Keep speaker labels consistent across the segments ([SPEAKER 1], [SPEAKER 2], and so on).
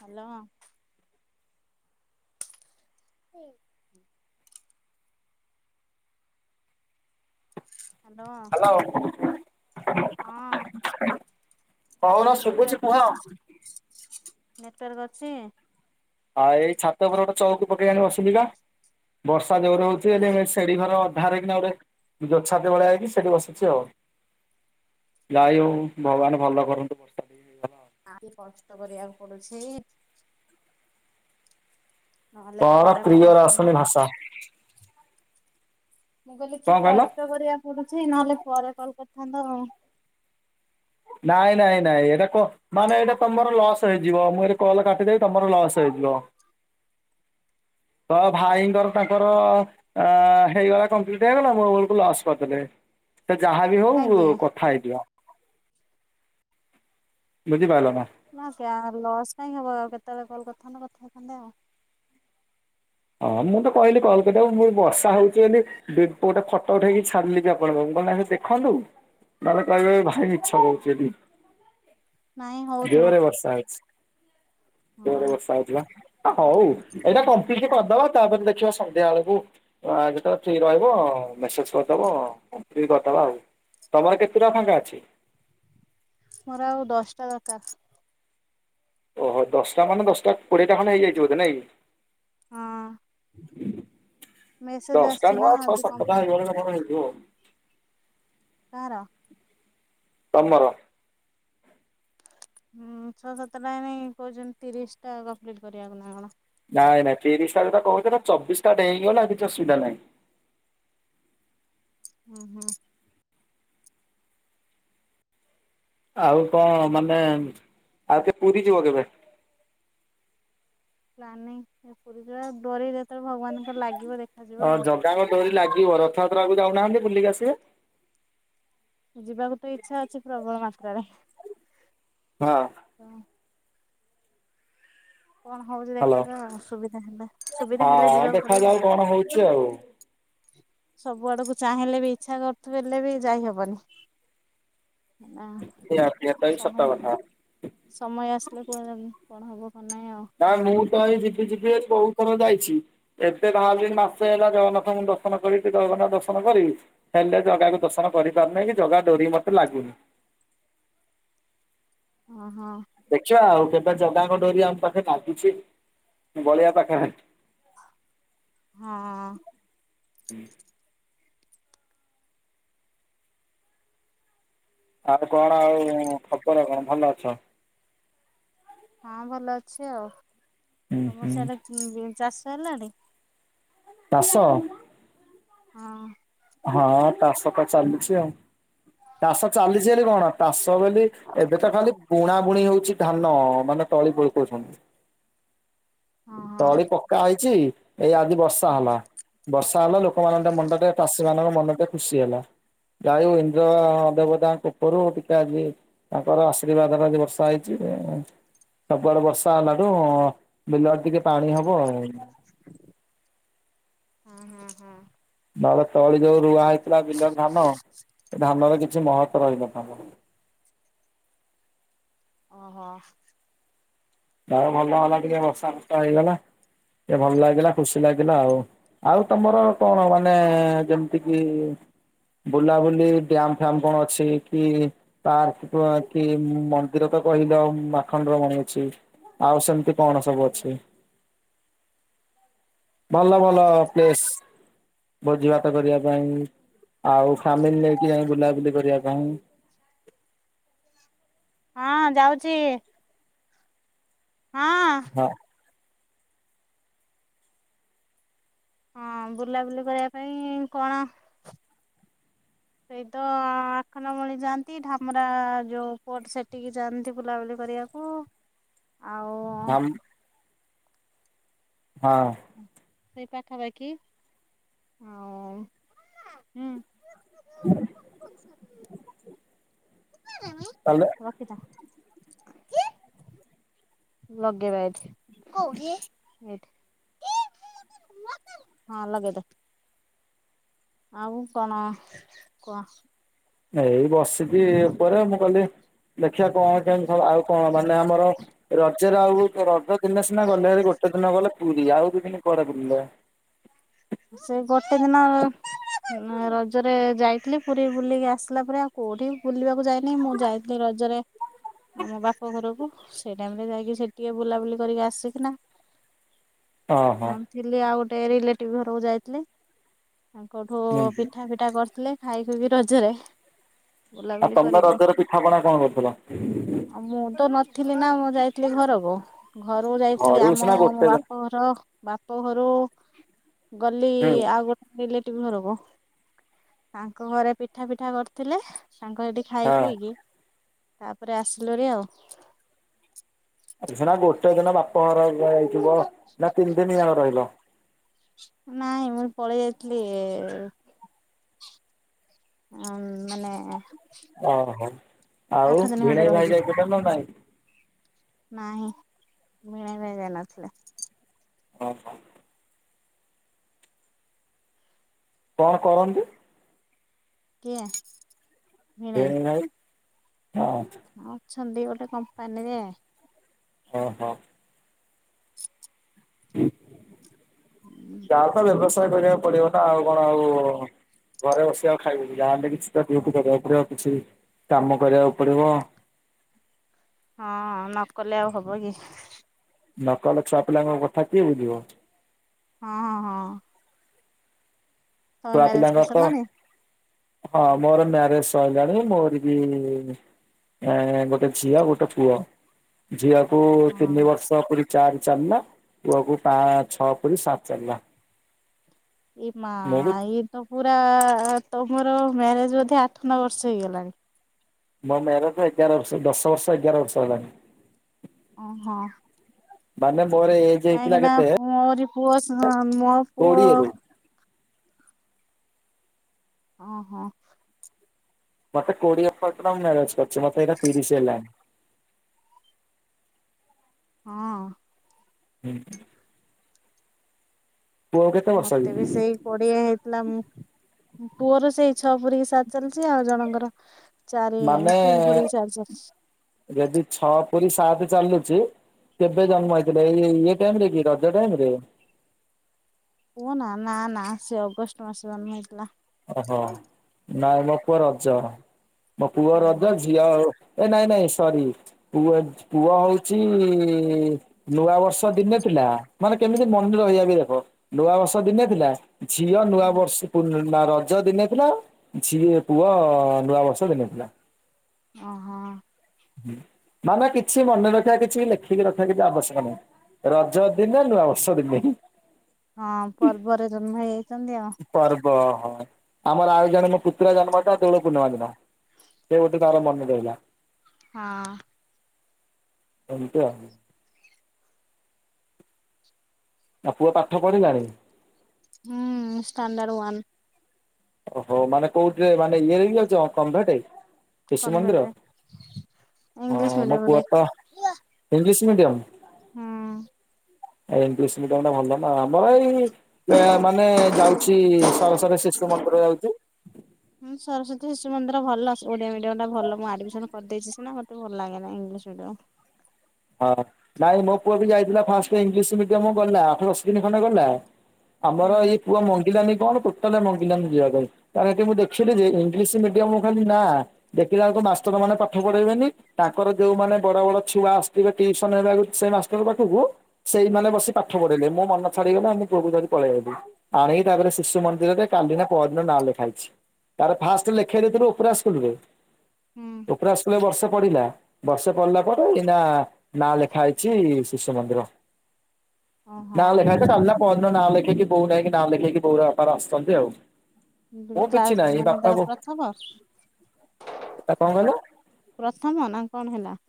[SPEAKER 1] Hello. [inaudible] Hello
[SPEAKER 2] hello.
[SPEAKER 1] ହଁ
[SPEAKER 2] କହୁନ ଶୁଭୁଚି
[SPEAKER 1] ନେଟୱାର୍କ
[SPEAKER 2] କୁହଅ।
[SPEAKER 1] ଅଛି ନେଟୱାର୍କ ଅଛି?
[SPEAKER 2] ଆଉ ଏଇ ଛାତ ଉପରେ ଗୋଟେ ଚଉକି ପକେଇ ଆଣି ବସିଲି ବା ବଷ ଯୋରେ ହଉଚି ଏଠି ସେଢି ଘର ବାହାର ରାହିକିନା ଗୋଟେ ଗଛାତିଭଳିଆ ହେଇକି ସେଠି ବସିଚି ଆଉ। ଯାଇ ହଉ ଭଗବାନ ଭଲ କରନ୍ତୁ।
[SPEAKER 1] ଆକି କଷ୍ଟ କରିବାକୁ ପୁଡୁଚି।
[SPEAKER 2] ପର
[SPEAKER 1] ପରେ କଲ୍
[SPEAKER 2] ପ୍ରିୟ
[SPEAKER 1] କରିଥାନ୍ତ।
[SPEAKER 2] ରାସନୀ ଭାଷା।
[SPEAKER 1] ମୁଁ କହିଲି କି
[SPEAKER 2] କଣ କହିଲ?
[SPEAKER 1] କଷ୍ଟ କରିବାକୁ ପଡୁଚି ନହେଲେ ପରେ କଲ କରିଥାନ୍ତ ହଉ।
[SPEAKER 2] ନାଇଁ ନାଇଁ ନାଇଁ ଏଇଟା କ ମାନେ ଏଇଟା ତମର ଲସ୍ ହେଇ ଯିବ ମୁଁ ଏଇଟି କଲ କାଟିଦେବି ତମର ଲସ୍ ହେଇଯିବ।
[SPEAKER 1] [inaudible]
[SPEAKER 2] ତ ଭାଇଙ୍କର ତାଙ୍କର ଅ ହେଇଗଲା କମ୍ପ୍ଲିଟ ହେଇଗଲା ମୋ ବେଳକୁ ଲସ୍ କରିଦେଲେ। ତ ଯାହାବି ହଉ
[SPEAKER 1] କାହିଁକି?
[SPEAKER 2] କଥା ହେଇଯିବା। ବୁଝି ପାଇଲନା?
[SPEAKER 1] ନା ଲସ୍ କାଇଁ ହବ ଆଉ କେତେବେଳେ କଲ କରିଥାନ୍ତ କଥା ହେଇଥାନ୍ତେ ଆଉ।
[SPEAKER 2] ହଁ ମୁଁ ତ କହିଲି କଲ କ ମୁଁ ବର୍ଷା ହଉଚି ବୋଲି ଦି ପଟେ ଫୋଟୋ ଉଠେଇକି ଛାଡିଲିବି ଆପଣଙ୍କୁ କଣ ନାଁ ଦେଖନ୍ତୁ ନହେଲେ କହିବେ ଭାଇ ମିଛ କହୁଚି ଏଠି।
[SPEAKER 1] ନାଇଁ ହଉଥିବ।
[SPEAKER 2] ଜୋରେ ବର୍ଷା ହଉଚି ଜୋରେ
[SPEAKER 1] ହଁ
[SPEAKER 2] ବର୍ଷା ହଉଚି ବା। ଅ ହଉ ଏଇଟା କମ୍ ମ୍ପିଲିଟି କରିଦବା ତାପରେ ଦେଖିବା ସନ୍ଧ୍ୟା ବେଳକୁ ଆ ଯେତେବେଳେ ଫ୍ରି ରହିବ ମେସେଜ କରିଦବ। କ କରିଦବା ଆଉ ତମର କେତେ ଟା ଫାଙ୍କା ଅଛି?
[SPEAKER 1] ମୋର ଆଉ ଦଶଟା ଦରକାର।
[SPEAKER 2] ଓହୋ ଦଶଟା ମାନେ ଦଶଟା କୋଡିଏଟା ଖଣ୍ଡେ ହେଇଯାଇଚି ବଧେ ନାଇକି?
[SPEAKER 1] ହଁ। ମେସେଜ
[SPEAKER 2] ଦଶଟା
[SPEAKER 1] ଆସିଛି
[SPEAKER 2] ନୁହ
[SPEAKER 1] ନା
[SPEAKER 2] ଛଅ
[SPEAKER 1] ଆଜି
[SPEAKER 2] ସାତଟା
[SPEAKER 1] କମ୍ପ୍ଲିଟ
[SPEAKER 2] ହେଇଗଲେ ଆପଣଙ୍କ ହେଇଯିବ।
[SPEAKER 1] କାର?
[SPEAKER 2] ତମର।
[SPEAKER 1] ହୁଁ ଛଅ ସାତଟା ନାଇ କହୁଚନ୍ତି ତିରିଶ ଟା କମ୍ପ୍ଲିଟ କରିବାକୁ ନା କଣ?
[SPEAKER 2] ନାଇଁ ନାଇଁ ତିରିଶଟା ତ କଥିଲେ ଚବିଶଟାଟ ହେଇଗଲା କିଛି ଅସୁବିଧା ନାହିଁ।
[SPEAKER 1] [inaudible] ଅ ହୋଁ।
[SPEAKER 2] ଆଉ କଣ ମାନେ ଆଉ କେ ପୁରୀ ଯିବ କେବେ?
[SPEAKER 1] ପ୍ଲାନାଇଁ ପୁରୀ ଯ ଡୋରି ଯେତେବେଳେ ଭଗବାନଙ୍କ ଲାଗିବ ଦେଖ
[SPEAKER 2] ଅ ଜଗାଙ୍କ ଡୋରି ଲାଗିବ ରଥଯାତ୍ରାକୁ ଯାଉନାହାନ୍ତି ବୁଲିକି ଆସିବେ।
[SPEAKER 1] ଯିବାକୁ ତ ଇଚ୍ଛା ଅଛି ପ୍ରବଳ ମାତ୍ରାରେ।
[SPEAKER 2] ହଁ।
[SPEAKER 1] ତ କଣ ହଉଚି
[SPEAKER 2] ହ୍ୟାଲୋ।
[SPEAKER 1] ଦେଖାଦାଉ ସୁବିଧା ହେଲା ସୁବିଧା ହେଲେ ଯିବାକୁ ପଡିବ ଆଉ।
[SPEAKER 2] ହଉ।
[SPEAKER 1] ସବୁ ଆଡକୁ ଚାହିଁଲେ ବି ଇଚ୍ଛା କରୁଥିଲେ ବି ଯାଇ ହବନି। ନାଁ
[SPEAKER 2] ନିହାତି ଏଟା ବି ସତ
[SPEAKER 1] ସମୟ
[SPEAKER 2] କଥା।
[SPEAKER 1] ସମୟ ଆସିଲେ କୁଆଡେ
[SPEAKER 2] ନାଁ ମୁଁ ତ ଏଇ ଯିିବି ଯିିବି ବେଲି କୋଉ ଥର ଯାଇ ଛି ଏବେ ବାହାରିଲିଣି ମାସେ ହେଲା ଜଗନ୍ନାଥଙ୍କୁ ଦର୍ଶନ କରିବି ଜଗନ୍ନାଥ ଦର୍ଶନ କରିବି ହେଲେ ଜ ଜଗାକୁ ଦର୍ଶନ କରିପାରୁନାହିଁ କି ଜଗା ଡୋରି ମତେ ଲାଗୁନି।
[SPEAKER 1] ଓ ହୋ।
[SPEAKER 2] ଦେଖିବା ଆଉ କେବେ ଜଗାଙ୍କ ଡୋରି ଆମ ପାଖେ ଲାଗୁଛି ବଳିଆ ପାଖେ
[SPEAKER 1] ହଁ।
[SPEAKER 2] ହୁଁ। ଆଉ କଣ ଆଉ ଖବର କଣ ଭଲ ଅଛ?
[SPEAKER 1] ହଁ ଭଲ ଅଛି ଆଉ
[SPEAKER 2] ହୁଁ
[SPEAKER 1] ତମ
[SPEAKER 2] ହୁଁ
[SPEAKER 1] ସେଆଡେ ବେ ଚାଷ ହେଲାଣି?
[SPEAKER 2] ତାଷ।
[SPEAKER 1] ହଁ।
[SPEAKER 2] ହଁ ତାସ ତ ଚାଲିଛି ଆଉ। ତାଷ ଚାଲିଛି ହେଲେ କଣ ତାଷ ବୋଲି ଏବେ ତ ଖାଲି ବୁଣା ବୁଣି ହଉଛି ଧାନ ମାନେ ତଳି ଫଳି କରୁଛନ୍ତି।
[SPEAKER 1] ହଁ ହଁ।
[SPEAKER 2] ତଳି ପକା ହେଇଛି। ଏଇ ଆଜି ବର୍ଷା ହେଲା
[SPEAKER 1] ହଁ
[SPEAKER 2] ବର୍ଷା ହେଲା ଲୋକମାନଙ୍କ ମନ ଟା ତାଷୀ ମାନଙ୍କ ମନଟା ଖୁସି ହେଲା। ଗାଈ ଇନ୍ଦ୍ର ଦେବତାଙ୍କ କୋପରୁ ଟିକେ ଆଜି ତାଙ୍କର ଆର୍ଶୀବାଦରେ ଆଜି ବର୍ଷା ହେଇଛି। ଏ ସବୁଆଡେ ବର୍ଷା ହେଲାଠୁ ବିଲ ଆଡେ ଟିକେ ପାଣି ହବ ଆଉ।
[SPEAKER 1] ହଁ ହଁ ହଁ।
[SPEAKER 2] ନ ହେଲେ ତଳି ଯୋଉ ରୁଆ ହେଇଥିଲା ବିଲ ଧାନ ସେ ଧାନର କି ଛି ମହତ୍ତ୍ୱ ରହି ନଥାନ୍ତା।
[SPEAKER 1] ଓ ହୋ।
[SPEAKER 2] ଯା ହଉ ଭଲ ହେଲା ଟିକେ ବର୍ଷା ଫର୍ଷା ହେଇଗଲା ଟିକେ ଭଲ ଲାଗିଲା ଖୁସି ଲାଗିଲା ଆଉ ଆଉ ତମର କଣ ମାନେ ଯେମିତି କିି ବୁଲାବୁଲି ଡିଆମ୍ ଫ୍ୟାମ୍ କଣ ଅଛି କି ପାର୍କ ଆ କି ମନ୍ଦିର ତ କହିଲ ଉଁ ଆଖଣ୍ଡଳ ମଣି ଅଛି ଆଉ ସେମିତି କଣ ସବୁ ଅଛି? ଭଲ ଭଲ ପ୍ଲେସ୍ ଭୋଜିଭାତ କରିବା ପାଇଁ ଆଉ ଫ୍ୟାମିଲ ନେଇକି ଯାଇ ବୁଲାବୁଲି କରିବା ପାଇଁଁ।
[SPEAKER 1] ହଁ ଯାଉଛି।
[SPEAKER 2] ହଁ।
[SPEAKER 1] ହଁ ବୁଲା ବୁଲି କରିବା ପାଇଁ କଣ ସେଇତ ଆଖଣ୍ଡଳ ମଣୀ ଯାଆନ୍ତି ଧାମରା ଯୋଉ ପୋର୍ଟ ସେଠିକି ଯାଆନ୍ତି ବୁଲା ବୁଲି କରିବା କୁ ଆଉ
[SPEAKER 2] ଧାମ ହଁ।
[SPEAKER 1] ସେଇ ପାଖାପାଖି ଆଉ ହୁଁ।
[SPEAKER 2] ହୁଁ।
[SPEAKER 1] ରଖିଥା। ଲଗେଇବା ଏଇଠି କୋଉଠି ଏଇଠି ଏଇଠି ଲଗେଇବା। ହଁ ଲଗେଇ ଦେ। ଆଉ କଣ କୁହ?
[SPEAKER 2] ଏଇ ବସିଛି ଉପରେ ମୁଁ କହଲିି ଦେଖିବା କଣ କେମତି ଖାଇବା ଆଉ କଣ ମାନେ ଆମର ରଜରେ ଆଉ କେ ରଜ ଦିନେ ସିନା ଗଲେଭାରି ଗୋଟେ ଦିନ ଗଲ ପୁରୀ ଆଉ ଦି ଦିନି କୁଆଡେ ବୁଲିଲ?
[SPEAKER 1] ସେ ଗୋଟେ ଦିନ ହୁଁ ରଜରେ ଯାଇଥିଲି ପୁରୀ ବୁଲିକି ଆସିଲା ପରେ ଆଉ କୋଉଠି ବୁଲିବାକୁ ଯାଇନି ମୁଁ ଯାଇଥିଲି ର ଜରେ। ଆମ ବାପ ଘରକୁ ସେଇ ଟାଇମରେ ଯାଇକି ସେଇଟି ଟିକେ ବୁଲାବୁଲି କରିକି ଆସିକିନା। ହଁ ଥିଲି ଆଉ ଗୋଟେ ରିଲେଟିଭ ଘରକୁ ଯାଇଥିଲି। ଓହୋ
[SPEAKER 2] ହୁଁ
[SPEAKER 1] ପିଠା ଫିଠା କରିଥିଲେ ଖାଇଲୁ ବି ରଜରେ।
[SPEAKER 2] ଆଉ
[SPEAKER 1] ବୁଲାବୁଲି
[SPEAKER 2] ତମେ
[SPEAKER 1] କରିକି
[SPEAKER 2] ରଜରେ ପିଠାପଣା କଣ କରୁଥିଲ
[SPEAKER 1] ଆଉ ମୁଁ ତ ନ ଥିଲି ନା ମୁଁ ଯାଇଥିଲି ଘରକୁ। ଘରୁକୁ ଯାଇଥିଲି
[SPEAKER 2] ଘରୁ
[SPEAKER 1] ଆମ
[SPEAKER 2] ସିନା
[SPEAKER 1] ମୋ
[SPEAKER 2] ଗୋଟେ ଦିନ
[SPEAKER 1] ବାପ ଘର ବାପ ଘରୁ ଗଲି
[SPEAKER 2] ହୁଁ।
[SPEAKER 1] ଆଉ ଗୋଟେ ରିଲେଟି ଘରୁକୁ ତାଙ୍କ ଘରେ ପିଠା ଫିଠା କରିଥିଲେ। ତାଙ୍କର ହେଠି ଖାଇ
[SPEAKER 2] ହଁ।
[SPEAKER 1] ଖୁଇକି ତାପରେ ଆସିଲୁ ଭାରି ଆଉ।
[SPEAKER 2] ସିନା ଗୋଟେ ଦିନ ବାପ ଘର ହେରିକା ଯାଇଥିବ ନା ତିନ ଦିନ ଯାକ ରହିଲ।
[SPEAKER 1] ନାଇଁ ମୁଁ ପଳେଇ ଯାଇଥିଲି ଏଁ। ଉଁ ମାନେ
[SPEAKER 2] ଓ ହୋ ଆଉ
[SPEAKER 1] ଆଠ ଦିନ ଖଣ୍ଡେ
[SPEAKER 2] ଭିଣେଇ ଭାଇ
[SPEAKER 1] ରହିଲି
[SPEAKER 2] ଯାଇଥିଲେ ନା ନାଇଁ?
[SPEAKER 1] ନାହିଁ ଭିଣେଇ ଭାଇ ଯାଇ ନଥିଲେ।
[SPEAKER 2] ଓ ହୋ। କଣ କରନ୍ତି?
[SPEAKER 1] କିଏ?
[SPEAKER 2] ଭିଣେଇ ଭାଇ। ହଁ
[SPEAKER 1] ହଁ ଅଛନ୍ତି ଗୋଟେ କମ୍ପାନୀରେ।
[SPEAKER 2] ଓ ହୋ। ଯାହା ତ ବ୍ୟବସାୟ କରିବାକୁ ପଡିବ ନା ଆଉ କଣ ଆଉ। ଘରେ ବସି ଆଉ ଖାଇବେ କି ଯାହାଲେ ବି କିଛି ତ ଡିଉଟି କରିବାକୁ ପଡିବ ଆଉ କିଛି। କାମ କରିବାକୁ ପଡିବ।
[SPEAKER 1] [inaudible] ହଁ ନକଲେ ଆଉ ହବ କି?
[SPEAKER 2] ନକଲେ ଛୁଆ ପିଲାଙ୍କ କଥା କିଏ ବୁଝିବ?
[SPEAKER 1] ହଁ ହଁ। ତମେ
[SPEAKER 2] ଛୁଆ
[SPEAKER 1] ମ୍ୟାରେଜ
[SPEAKER 2] ପିଲାଙ୍କର
[SPEAKER 1] କରି
[SPEAKER 2] ତ
[SPEAKER 1] ସାରିଲଣି?
[SPEAKER 2] ହଁ ମୋର ମ୍ୟାରେଜ ସଇଲାଣି ମୋର ବି। ଏ ଗୋଟେ ଝିଅ ଗୋଟେ ପୁଅ ଝିଅକୁ ତିନି
[SPEAKER 1] ହଁ।
[SPEAKER 2] ବର୍ଷ ପୁରି ଚାରି ଚାଲିଲା ପୁଅକୁ ପାଁ ଛଅ ପୁରି ସାତ ଚାଲିଲା।
[SPEAKER 1] ଏ ମା
[SPEAKER 2] ମୁଁ ବି
[SPEAKER 1] ଇଏ ତ ପୁରା। ତମର ମ୍ୟାରେଜ ବୋଧେ ଆଠ ନଅ ବର୍ଷ ହେଇଗଲାଣି।
[SPEAKER 2] ମୋ ମ୍ୟାରେଜ ଏଗାର ବର୍ଷ ଦଶ ବର୍ଷ ଏଗାର ବର୍ଷ ହେଲାଣି।
[SPEAKER 1] ଓହୋ।
[SPEAKER 2] ମାନେ ମୋର ଏଜ୍
[SPEAKER 1] କାହିଁକି
[SPEAKER 2] ହେଇଥିଲା
[SPEAKER 1] ନା
[SPEAKER 2] କେତେ?
[SPEAKER 1] ମୋରି ପୁଅ ସ ମୋ ପୁଅ!
[SPEAKER 2] କୋଡିଏରୁ
[SPEAKER 1] ଓ ହୋ।
[SPEAKER 2] ମତେ କୋଡ଼ିଏ [unintelligible] ମ୍ୟାରେଜ କରିଛି ମତେ ଏଇନା ତିରିଶି ହେଲାଣି।
[SPEAKER 1] ହଁ।
[SPEAKER 2] ହୁଁ ହ। କି?
[SPEAKER 1] ମତେ ବି ସେଇ କୋଡ଼ିଏ ହେଇଥିଲା ମୁଁ ପୁଅରୁ ସେଇ ଛଅ ପୁରି କି ସାତ ଚାଲିଛି ଆଉ ଜଣଙ୍କର ଚାରି
[SPEAKER 2] ମାନେ
[SPEAKER 1] ତିନି ପୁରିକି ଚାରି ଚାଲିଛି।
[SPEAKER 2] ଯଦି ଛଅ ପୁରି ସାତ ଚାଲୁଛି କେବେ ଜନ୍ମ ହେଇଥିଲେ ଏ ଇଏ ଟାଇମରେ କି ରଜ ଟାଇମରେ।
[SPEAKER 1] ପୁଅ ନା ନା ନା ସେ ଅଗଷ୍ଟ ମାସ ଜନ୍ମ ହେଇଥିଲା।
[SPEAKER 2] ଓହୋ ନାଇଁ ମୋ ପୁଅ ରଜ ମୋ ପୁଅ ରଜ
[SPEAKER 1] ଓହୋ।
[SPEAKER 2] ଝିଅ ଆଉ ଏ ନାଇଁ ନାଇଁ ସରି ପୁଅ ପୁଅ ହୋଉଛି ନୂଆ ବର୍ଷ ଦିନେ ଥିଲା ମାନେ କେମିତି ମନେ ରହିବା ବି ଦେଖ ନୂଆବର୍ଷ ଦିନେ ଥିଲା ଝିଅ ନୂଆ ବର୍ଷ ପୂର ନା ରଜ ଦିନେ ଥିଲା ଝି ପୁଅ ନୂଆବର୍ଷ ଦିନେ ଥିଲା।
[SPEAKER 1] ଓ ହ।
[SPEAKER 2] ମାନ କିଛି ମନେ ରଖିବା କିଛି ଲେଖିକି ରଖିବା କିଛି ଆବଶ୍ୟକ ନାହିଁ। ରଜ ଦିନେ ନୁଆ ବର୍ଷ ଦିନ ହିଁ।
[SPEAKER 1] ହଁ ପର୍ବରେ ଜନ୍ମ ହେଇଯାଇଛନ୍ତି ଆଉ।
[SPEAKER 2] ଓହୋ ଆମର ଆଉ ଜଣେ ମୋ ପୁତ୍ରା ଜନ୍ମ ଦିନ ଦୋଳ ପୂର୍ଣ୍ଣିମା ଦିନ। ସେ ଗୋଟେ ତାର ମନେ ଦେଲା।
[SPEAKER 1] ହଁ।
[SPEAKER 2] ଏମତି ଆଉ। ଆଉ ପୁଅ ପାଠ ପଢିଲାଣି?
[SPEAKER 1] ହୁଁ ଷ୍ଟାଣ୍ଡର୍ଡ ୱନ୍।
[SPEAKER 2] ଓହୋ ମାନେ କୋଉଠିରେ ମାନେ ଇଏ ହେଇକ ଯାଉଛି କନ୍ଭେଟେ? ସିଶୁମନ୍ଦିର
[SPEAKER 1] କନଭେଣ୍ଟରେ
[SPEAKER 2] ହଁ
[SPEAKER 1] ଇଂଲିଶ
[SPEAKER 2] ମୋ
[SPEAKER 1] ମିଡିୟମରେ
[SPEAKER 2] ପୁଅ ତ ଇଂଲିଶ ମିଡିୟମ?
[SPEAKER 1] ହଁ।
[SPEAKER 2] ଆ ଏ ଇନଗଲିସ ମିଡିଅମ ଟା ଭଲ ନା ଆମର ଏଇ ମାନେ ଯାଉଛି ସରସରୀ ଶିଶୁ
[SPEAKER 1] ହୁଁ
[SPEAKER 2] ମନ୍ଦିର ଯାଉଛି।
[SPEAKER 1] ସରସ୍ଵତୀ ଶିଶୁ ଶିଶୁମନ୍ଦିର ଭଲ ଓଡିଆ ମିଡିୟମ ଟା ଭଲ ମୁଁ ଆଡମିସନ କରିଦେଇଛିି ସିନା ମତେ ଭଲ ଲାଗେନା ଇଂଲିଶ ମିଡିୟମ। [unintelligible]
[SPEAKER 2] ହଁ ନାଇଁ ମୋ ପୁଅ ବି ଯାଇଥିଲା ଫାଷ୍ଟ ଇଂଲିଶ ମିଡିୟମ ଗଲା ଆଠ ଦଶ ଦିନ ଖଣ୍ଡେ ଗଲା ଆମର
[SPEAKER 1] ହୁଁ
[SPEAKER 2] ଏଇ ପୁଅ ମଙ୍ଗିଲାନି କଣ କ ଲି ମଙ୍ଗିଲାନି ଯିବା ପାଇଁ ତପରେ ହେଠୀ ମୁଁ ଦେଖିଲି ଯେ ଇଂଲିଶ ମିଡିୟମ ଖାଲି ନା ଦେଖିଲା ବଳଙ୍କ ମାଷ୍ଟର ମା ପାଠ ପଢେଇବେନି ତାଙ୍କର ଯୋଉମାନୋନେ ବଡ ବଡ ଛୁଆ ଟେୁସନ ହେବାକୁ ସେ ମାଷ୍ଟର ପାଖକୁ ସେଇମାନୋନ
[SPEAKER 1] ହୁଁ
[SPEAKER 2] ବସି ପାଠ ପଢିଲଲେ ମୋ ମନ ଛଡିଗଲେ ଆମ ପଅବକୁ ଯଦି ପଳେଇବୁ ଆଣିକି ତାପରେ ଶିଶୁ ମନ୍ଦିରରେ କାଲି ନା ପରଦିନ ନାଁ ଲେଖା ହେଇଛି। ତାର ଫାଷ୍ଟ ଲେଖେଇ ଦେଇଥିଲୁ ଉପରା ସ୍କୁଲରେ।
[SPEAKER 1] ହୁଁ
[SPEAKER 2] ଉପରା ସ୍କୁଲ ରେ ବର୍ଷେ ପଡିଲା ବର୍ଷେ ପଡିଲା ପରେ ଏଇନା ନାଁ ଲେଖା ହେଇଛି ଶିଶୁ ମନ୍ଦିର
[SPEAKER 1] ଓହୋ
[SPEAKER 2] ନାଁ ଲେଖା ହେଇଛି ପରଦିନ ନାଁ ଲେଖେଇକି ବୋଉ ନେଇକି ନାଁ ଲେଖେଇକି ବୋଉ ବପାର ଆସନ୍ତି ଆଉ। ମୁଁ କିଛି
[SPEAKER 1] କ୍ଲାସ
[SPEAKER 2] ନାହିଁ
[SPEAKER 1] ମାନେ
[SPEAKER 2] ବାପା
[SPEAKER 1] ତର
[SPEAKER 2] ବୋଉ
[SPEAKER 1] ପ୍ରଥମ?
[SPEAKER 2] କଣ କହିଲ
[SPEAKER 1] ପ୍ରଥମ ନା କଣ ହେଲା?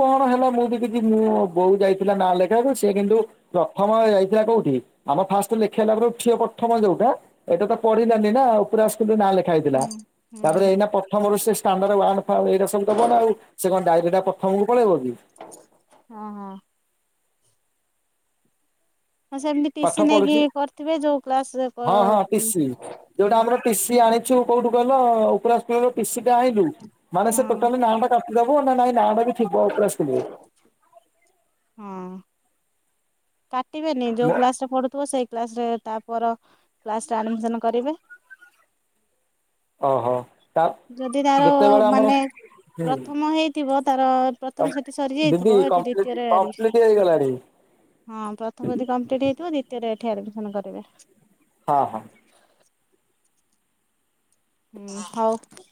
[SPEAKER 2] କଣ ହେଲା ମୁଁ ଦେଖିଛି ମୁଁ ବୋଉ ଯାଇଥିଲା ନାଁ ଲେଖାକୁ ସେି କିନ୍ତୁ ପ୍ରଥମ ଯାଇଥିଲା କୋଉଠି ଆମ ଫାଷ୍ଟ ଲେଖେଇଲା ପରେ ଉଠିିବ ପ୍ରଥମ ଯୋଉଟା ଏଇଟା ତ ପଢିଲାନି ନା ଉପରେ ଆ ନାଁ ଲେଖିଲ ଲେଖାହେଇଥିଲା
[SPEAKER 1] ହୁଁ ହୁଁ
[SPEAKER 2] ତାପରେ
[SPEAKER 1] ହୁଁ
[SPEAKER 2] ଏଇ ପ୍ରଥମଇଟା ସବୁବନ ଆଉ ସେ କଣ ଡାରେଟେ ଆଉ ପ ଥମ କୁ ପଳେଇବ କିି?
[SPEAKER 1] ହଁ ହଁ ହଁ ସେମିତି ଟିସି
[SPEAKER 2] ପାଠ
[SPEAKER 1] ନେଇକି
[SPEAKER 2] ପଢୁଛି
[SPEAKER 1] କରିଥିବେ ଯୋଉ କ୍ଲାସ
[SPEAKER 2] ହଁ ହଁ ଟିସିି ଯୋଉଟା ଆମର ଟିସି ଆଣି ଥିଲି କୋଉଠୁ କହିଲ ଉପରାସ ସ୍କୋଲୁ ରୁ ଟିଶି ଟା ଆଣିଲୁ। ମାନେ ସେ ଟୋଟାଲି ନାଁ ଟା କାଟିଦବ ନା ନାଇଁ ନାଁ ଟା ବି ଥିବା ଉପରା ସ୍କୁଲ ରେ?
[SPEAKER 1] ହଁ। କାଟିବେନି ଯୋଉ କ୍ଲାସ ରେ ପଢୁଥିବ ସେଇ କ୍ଲାସ ରେ ତାପ କ୍ଲାସରେ ଆଡ଼ମିସନ୍ କରିବେ।
[SPEAKER 2] ଓ ହୋ।
[SPEAKER 1] ଯଦି ତାର ମାନେ ପ୍ରଥମ ହେଇଥିବ ତାର ପ୍ରଥମ ସେଠି
[SPEAKER 2] ଦିଦି
[SPEAKER 1] ସରିଯାଇଥିବ ଏଠି
[SPEAKER 2] କମ୍ପ୍ଲିଟ
[SPEAKER 1] ଦ୍ଵିତୀୟରେ ଆଡିମି
[SPEAKER 2] କମ୍ପ୍ଲିଟ ହେଇଗଲାଣି
[SPEAKER 1] ହଁ ପ୍ରଥମ ଯଦି କମ୍ପ୍ଲିଟ୍ ହେଇଥିବ ଦ୍ୱିତୀୟରେ ଏଠି ଆଡ଼ମିସନ କରିବେ।
[SPEAKER 2] ହଁ ହଁ।
[SPEAKER 1] ହୁଁ ହଉ।